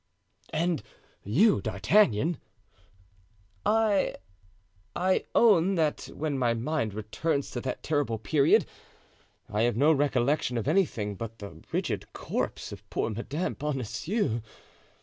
"And you, D'Artagnan?" "I—I own that when my mind returns to that terrible period I have no recollection of anything but the rigid corpse of poor Madame Bonancieux.